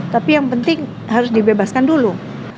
tapi yang penting harus dibebaskan dulu